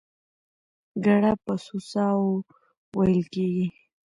ګړه په څو ساه وو وېل کېږي؟